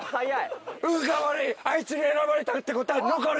運が悪いあいつに選ばれたってことは残る！